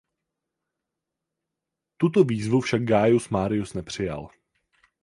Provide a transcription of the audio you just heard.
Tuto výzvu však Gaius Marius nepřijal.